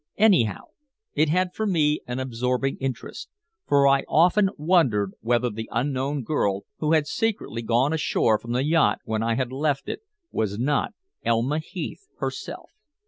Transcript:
Anyhow, it had for me an absorbing interest, for I often wondered whether the unknown girl who had secretly gone ashore from the yacht when I had left it was not Elma Heath herself.